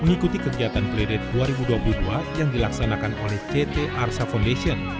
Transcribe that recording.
mengikuti kegiatan playdate dua ribu dua puluh dua yang dilaksanakan oleh ct arsa foundation